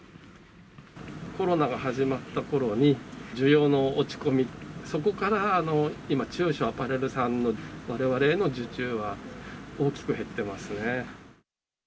コロナが始まったころに、需要の落ち込み、そこから今、中小アパレルさんのわれわれへの受注が大きく減ってますね。